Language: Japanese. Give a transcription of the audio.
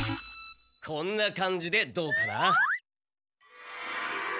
こんな感じでどうかな？